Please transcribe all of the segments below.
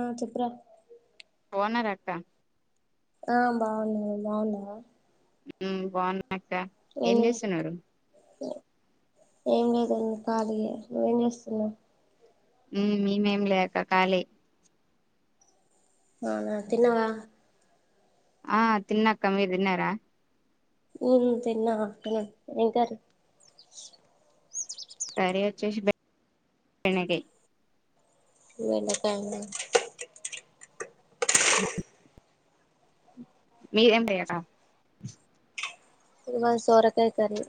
ఆ చెప్పరా బావున్నారా అక్క ఆ బావున్న బావున్నవ బాగున్నాక్క ఏం చేస్తున్నారు ఏం లేదండి ఖాలీ యే నువ్వేం చేస్తున్నావు మమేం లేక కాళీ అవునా తిన్నవా ఆ తిన్నా అక్కమీరు తిన్నారా హ్మ్ తిన్నా అక్కా ఏం కర్రీ కర్రీ వచ్చేసి బెండకాయ్ బెండకాయ నా హ్మ్ మీరేం చెయ్యరా ఇదిగో సొరకాయ కర్రీ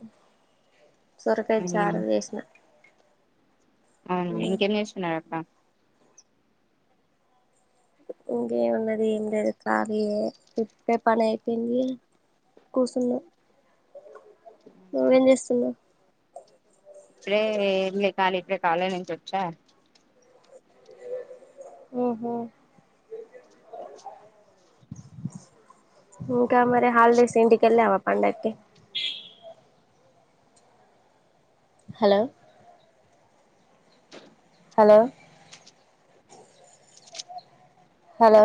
సోరకాయ చారు చేసినా అవును ఇంకేం చేస్తున్నారు అక్క ఇంకేం ఉన్నది ఏం లేదు ఖాళే యే ఇప్పుడే పండగ ఐపోయింది కూసున్నా అవునా నువ్వేం చేస్తున్నావ్ ఇప్పుడే ఏం లే ఖాళీ ఇప్పుడే కాలేజ్ నుంచి వచ్చా ఊహూ ఇంకా మరి హాలిడేస్ ఇంటికెళ్ళావా పండగకి hello hello hello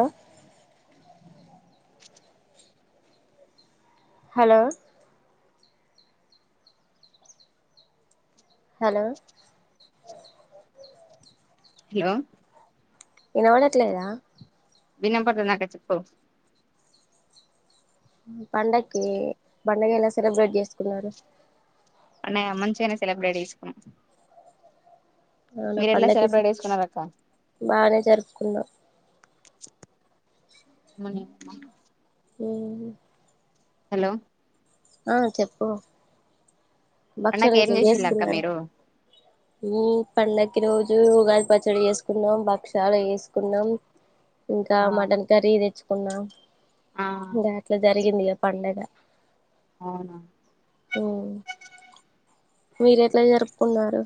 hello hello hello ఇనవడట్లేదా వినపడుతుందక్కా చెప్ప పండక్కి పండగ ఎలా సెలబ్రేట్ చేసుకున్నారు అన్నయ్య మంచిగానే సెలబ్రేట్ జేసుకున్నాం అవునా పండగ కేసి అక్క బానే జరుపుకున్నాం మను ఊహూ హలో ఆ చెప్పు భక్ష్యాలు పండక్కి ఏం గిట్లా చేసిళ్ళు అక్క చేసుకున్నారా మీరు ఉమ్ పండక్కి ఈ రో జు ఉగాది పచ్చడి చేసుకున్నాం భక్ష్యాలు చేసుకున్నాం ఇంకా ఆ మటన్ కర్రీ తెచ్చు కున్నాం ఆ ఇంగ అట్ల జరిగింది ఇగ పండగ అవునా ఉమ్ మీరు ఎట్లా జరుపుకున్నారు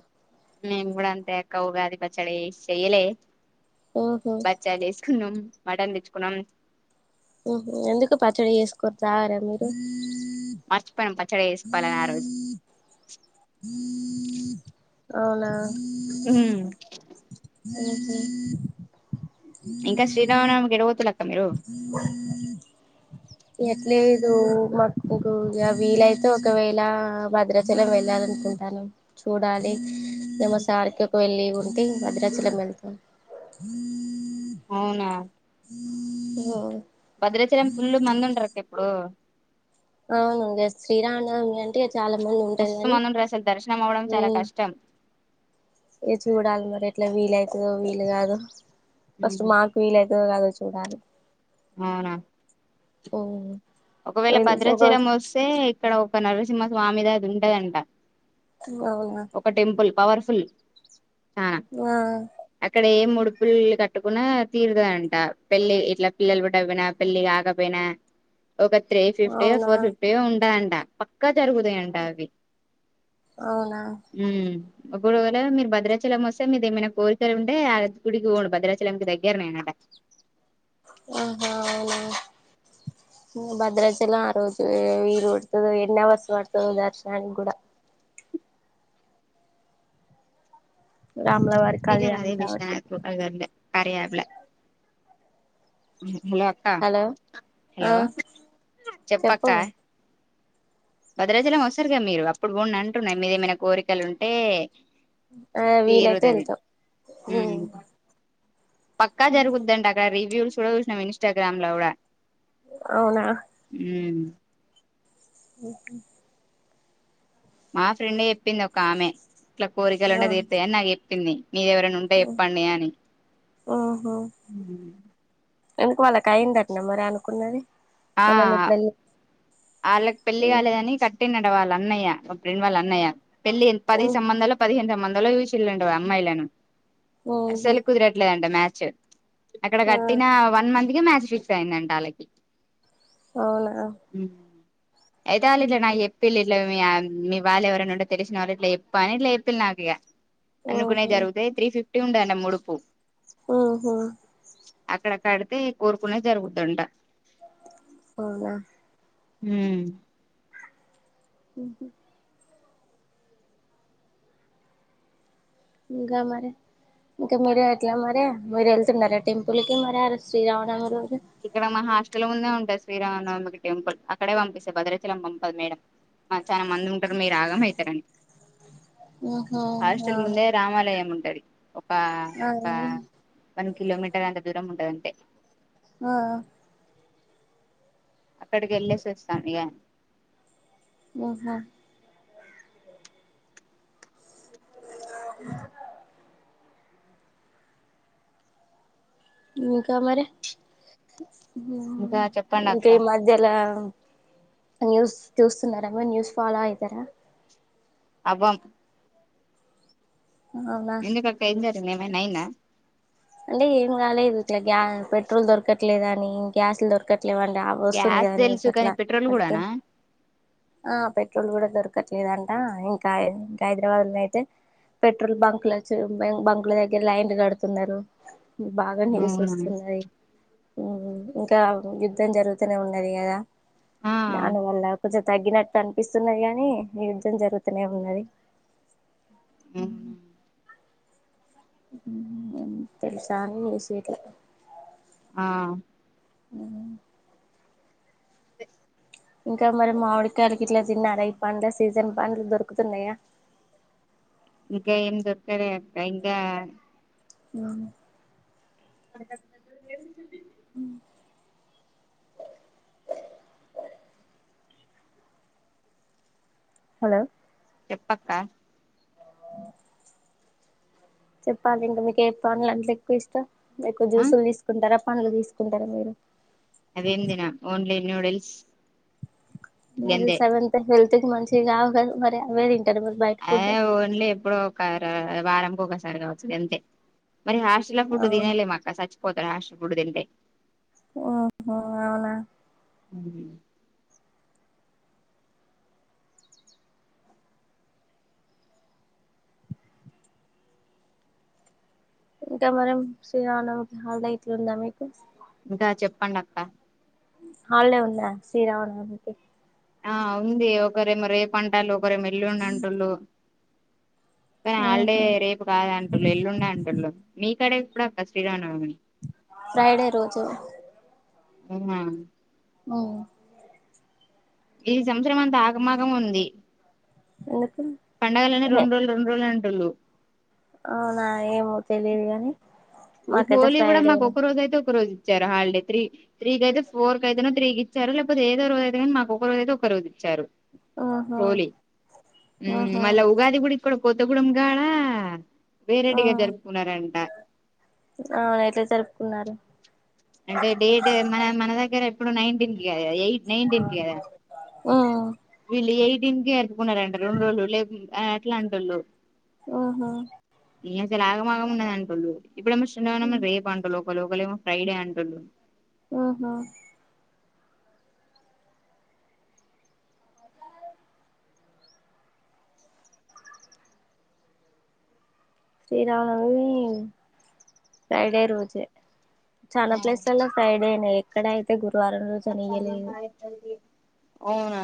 మేము కూడా అంతే అక్క ఉగాది పచ్చడి చెయ్యలే మ్మ్ హు భక్ష్యాలు చేసుకున్నాం మటన్ తెచ్చుకున్నాం ఉహు ఎందుకు పచ్చడి చేసుకోరు తాగరా మీరు మర్చిపోయినం పచ్చడి చేసుకోవాలని ఆ రోజు అవునా ఉహుం మ్మ్ హు ఇంకా శ్రీరామనవమికి ఎటు వోతుల్లక్ ఎట్లేదు మాకు వీలైతే ఒకవేళ భద్రాచలం వెళ్ళాలను కుంటన్నాం చూడాలి మేము సార్ కి ఒకవేళ లీవ్ ఉంటే భద్రాచలం వెళ్తాం అవునా ఓహో భద్రాచలం ఫుల్లు మంది ఉంటరు అక్క ఇప్పుడు అవును ఇంగ శ్రీరామనవమి అంటే ఇగ చాలా మంది ఉంటరు కాని ర్శనం అవడం చాలా కష్టం ఇ చూడాలి మరి ఎట్లా వీలైతదో వీలు కాదో ఫస్ట్ మాకు వీలై తదో గాదో చూడాలి అవున ఉ ఒకవేళ భద్రాచలం వస్తే ఇక్కడ ఒక నరసింహ స్వామి దది ఉంటదంట అవునా ఒక టెంపుల్ పవర్ఫుల్ చనా ఆ అక్కడ ఎమ్ మూడు పుల్లు కట్టుకున్నా తీరుతదంట పెళ్ళి ఇట్లా పిల్లలు పుట్టాకపోయిన పెళ్లి కాకపోయినా ఒక త్రీ ఫిఫ్టీయో అవునా ఫోర్ ఫిఫ్టీయో ఉంటాయంట పక్కా జరుగుతాయంట అవి అవునా, ఉమ్ మీరు భద్రాచలం వస్తే మీరు ఏమైనా కోరికలు ఉంటే ఆ గుడికి పోడు భద్రాచలంకి దగ్గర నేనాయె [inaudible] ఆహా అవునా [inaudible] భద్రాచలం ఆ రోజు వీలు ఎన్నివర్స్ పడుతదో దర్శనానికి కూడా రాముల వారి ఇదే మరే కళ్యాణం మె కాబట్టి స్టాండ్.. [unintelligible] కార్య అప్ లా హలో అక్క హలో ఆ హలో చెప్పక్క చెప్పు భద్రాచలం వస్తరుగా మీరు అప్పుడు బొండి అంటున్నారు మీద ఏమైనా కోరికలు ఉంటే ఆ వీలైతే తీరదది వెళ్తాం పక్కా జరుగుద్దంట అక రివ్యూల్స్ కూడా చూసినం ఇన్స్టాగ్రామ్ లో కూడా అవున ఉమ్ [inaudible] మా ఫ్రెండే చెప్పింది ఒక ఆమె ఇట్లా కోరికలు ఉంటే తీరుతాయని నాకు చెప్పింది మీరు ఎవరైనా ఉంటే చెప్పండి అని ఆహా ఎందుకు వాళ్ళకి అయిందటనా మరి అనుకున్నది వాళ్ళని ఎప్పుడు ఆళ్ళకి పెళ్ళి కాలేదని కట్టిడట వాళ్ళ అన్నయ్య మా ఫ్రెండ్ వాళ్ళ అన్నయ్య పెళ్లి పది సంబంధాలు పదిహేను సంబధాలో చూసిండ్రాట అమ్మాయిలను ఉహు అసలు కుదిరట్లేదంట మ్యాచ్ అక్కడ ఆ కట్టినా వన్ మంత్ ఇగా మ్యాచ్ ఫిక్స్ అయిందంట వాళ్ళకి అవునా అయితే వాళ్ళు ఇట్ల చేప్పిళ్ళు ఇట్లా మీ మీ వాళ్ళు ఎవరైనా ఉంటే తెలిసిన వాళ్ళు ఇట్లా ఎప్ప అని ఇట్లా చెప్ప నాకు ఇగ అనుకునే ఓహో జరుగుతాయి త్రీ ఫిఫ్టీ ఉండయట ముడుపు ఉ హు అక్కడ కడితే కోరుకునవి జరుగుద్దంట అవున ఉ ఉ ఉ ఇంగా మరి ఇంక మీరు ఎట్లా మరి మీరు వెళ్తున్నారా టెంపుల్ కి మరి అ రో శ్రీరామనవమి ఇక్కడ మన హాస్టల్ ముందే ఉంట శ్రీరామనవమి టెంపుల్ అక్కడే పంపిస్తే భద్రచలం పంపదు మేడం చాన మంది ఉంటరు మీరు ఆగమైతరని ఆహా అవునా హాస్టల్ ముందే రామాలయం ఉంటది ఒక ఆ ఒక వన్ కిలోమీటర్ అంత దూరం ఉంటది అంతే ఆ అక్కడికి వెళ్ళేసివస్తాం ఇగా ఊహా [unintelligible] ఇంకా మరే ఇంకా చెప్పండి ఇంకా అక్క ఈ మధ్యలా న్యూస్ చూస్తున్నారా మీరు న్యూస్ ఫాలో అయితర అవ్వం అవునా ఎందుకంటే అయింది ఏం జరిగింది ఏమైనా అయిందా అంటే ఏం గాలేదు ఇట్లా గ్యా పెట్రోల్ దొరకట్లేదు అని గ్యాస్లు దొరకట్ ఎమ్ లేదండీ ఆ వస్తుంది గ్యాస్ కదా న్యూస్ తెలుసు కానీ అట్లా పెట్రోల్ అందుకు కూడానా ఆ పెట్రోల్ కూడా దొరుకు దొరకట్లేదంటా ఇంకా ఇంకా హైదరాబాద్ లో అయితే పెట్రోల్ బంక్ల బంక్ల దగ్గర లైన్లు కడుతున్నారు బాగా న్యూస్ వస్తున్నది ఉమ్మ్ ఇంకా యుద్ధం జరుగుతూనే ఉన్నది కదా ఆ దాని వాళ్లా కొచో తగ్గినట్టు అనిపిస్తున్నది గానీ యుద్ధం జరుగుతూనే ఉన్నది హ్మ్మ్ తెలుసా న్యూస్ గిట్ల హా హ్మ్మ్ ఇంకా మరి మామిడికాయాలకి గిట్ల తిన్నార ఈ పండ్ల సీజన్ పండ్లు దొరుకుతున్నాయా ఇంకా ఏం దొరకలేదు అక్కా ఇంగా హ్మ్మ్ దొరకట్లేద ఏం చూపి హ్మ్మ్ హలో చెప్పాక్కా చెప్పాలి ఇంకా మీకు ఏ పండ్లు అంటే ఎక్కువ ఇష్టం, ఎక్కువ జ్యూసులు తీసుకుంటారా పండ్లు తీసుకుంటారా మీరు. అదేం తినం ఓన్లీ న్యూడిల్స్ న్యూడిల్స్ అవి హెల్త్ మంచిగావు గదా మరి అవే తిం అదే ఓన్లీ ఎప్పుడు ఒక వారంకి ఒకసారి కావచ్చు అంతే మరి హాస్టల్ ఫుడ్ అవును తినేలేము అక్కా చచ్చిపోతాడు హాస్టల్ ఫుడ్ తింటే ఓహో అవునా హ్మ్మ్ ఇంకా మరేం శ్రీరామానవమి కి హాలిడే ఇట్లుందా మీకు ఇంకా చెప్పండి అక్కా హాలిడే ఉందా శ్రీరామా నవమి కి ఆ ఉంది ఒకరేమో రేపు అంటారు ఒకరేమో ఎల్లుండి అంటూళ్ళు కానీ హాలిడే ఆహా రేపు కాదు అంటుళ్ళు ఎల్లుండే అంటుళ్ళు మీ కడే ఎప్పుడూ అక్కా శ్రీ రామనవమి ఫ్రైడే రోజు ఔనా ఓ ఈ సంవత్సరం అంత ఆగమాగం ఉంది ఎందుకు పండగలనే రెండు రోజులు రెండు రోజుల అంటూళ్ళు అవునా ఏమో తెలిదు గాని మాకైతే హోలీ కూడా మాకు ఫ్రైడేనే ఒక రోజు అయితే ఒక రోజు ఇచ్చారు హాలిడే త్రీ త్రీకి అయితే ఫోర్ క అయితే తీకి ఇచ్చారు. లేకపోతే ఏదో రోజు అయితే మాకు ఒక రోజు అయితే ఒక రోజు ఇచ్చారు. ఆహా హోలీ ఆహా మళ్ళా ఉగాది గుడా ఇక్కడ కొత్తగూడెం గాడ వేరేటిగా జరుపుకున్నారంట ఆ ఎట్లా జరుపుకున్నారు అంటే డేట్ మన మన దగ్గర ఎప్పుడు నైన్టీన్త్ కద ఎయిట్ నైన్టీన్ కి కదా ఆ వీళ్ళు ఎయిటీన్త్ కే జరుపుకున్నారంట రెండు రోజులు లే అట్లే అంటోళ్ళు ఆహా ఈ అసలు అగా మాగం ఉన్నాది అంటుళ్ళు ఇప్పుడు ఏమో శ్రీ రామ నవమి రేపు అంటున్నారు ఓక ఒకలేమో ఫ్రైడే అంటోళ్ళు ఆహా శ్రీరామనవమి ఫ్రైడే రోజే చాలా ప్లేస్లలో ఫ్రైడే నే ఎక్కడ అయితే గురువారం రోజు అని ఇయ్యలేదు అవునా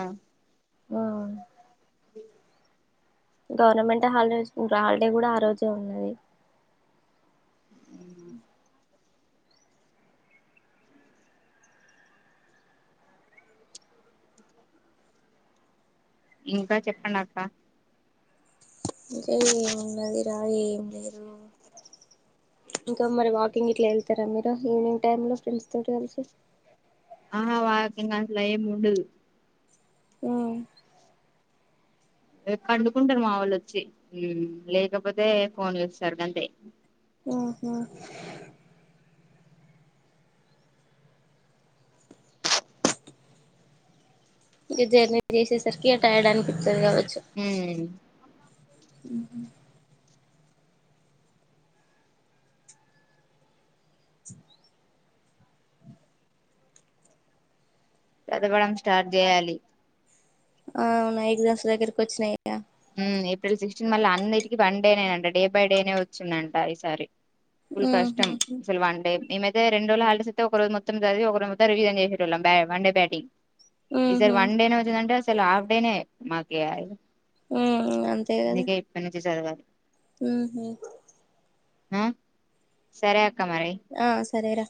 ఆఆ ఉ [inaudible] గవర్నమెంట్ హాలిడేస్ ఇంకా హాలిడే గూడా ఆ రోజే ఉన్నది ఇంకా చెప్పండక్క ఇంకా ఏమున్నది రా ఏం లేదు ఇంకా మరి వాకింగ్ ఇట్లా ఎళ్తారా మీరు ఈవినింగ్ టైంలో ఫ్రెండ్స్ తోటి కలిసి ఆహా వాకింగ్ అట్ల ఏం ఉండదు ఆ పండుకుంటారు మా వోళ్ళొచ్చి ఊమ్ లేకపోతే ఫోన్ చూస్తారు గంతే ఆహా ఇంకా జర్నీ జెసేసరికి ఇగ టైర్డ్ అ పిస్తది గావొచ్చు ఉమ్, ఊహు చదవడం స్టార్ట్ జేయాలి ఆ అవునా ఎగ్జామ్స్ దగ్గరకి వచ్చినాయిగ ఉమ్ ఏప్రిల్ సిక్స్టీన్ మళ్ళా అన్నిటికి వన్ డేనేనంట డే బై డేనే వచ్చిందంట ఈసారి ఫుల్ ఉహు కష్టం అసలు వండే మేమైతే రెండ్రోజులు హాలిడేసైతే ఒక రోజు మొత్తం జదివి ఒకరోజ మొత్తం రివిజన్ చేసేటోళ్ళం బ వన్డే బ్యాటింగ్ ఈసారి ఉహు వన్ డేనే వచ్చిందంటే అసలు హాఫ్ డేనే మాకిగ ఉమ్ అందుకే ఇప్పట్ నుంచే సదవాలి ఉమ్ హు ఆ సరే అక్క మరి ఆ సరేరా